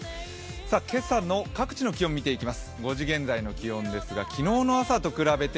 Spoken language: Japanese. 今朝の各地の気温見ていきます。